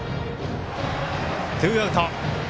ツーアウト。